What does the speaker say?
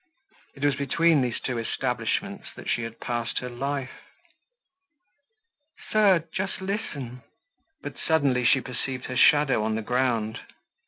It was between these two establishments that she had passed her life. "Sir, just listen." But suddenly she perceived her shadow on the ground.